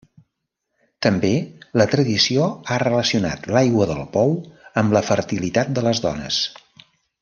També la tradició ha relacionat l'aigua del pou amb la fertilitat de les dones.